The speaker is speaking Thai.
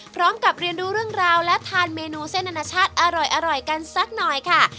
พร้อมกับเรียนรู้เรื่องราวและทานเมนูเส้นอนาชาติอร่อยกันสักหน่อยค่ะ